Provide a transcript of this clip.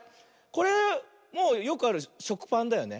これもうよくあるしょくパンだよね。